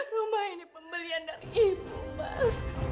rumah ini pembelian dari ibu mas